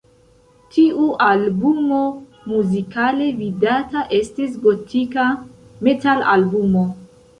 Tiu albumo muzikale vidata estis gotika metalalbumo.